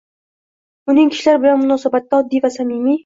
Uning kishilar bilan munosabatda oddiy va samimiy.